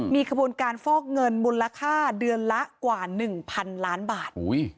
มีขบูรณ์การฟอกเงินมูลค่าเดือนละกว่าหนึ่งพันล้านบาท